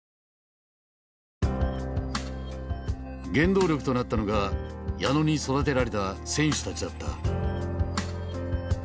原動力となったのが矢野に育てられた選手たちだった。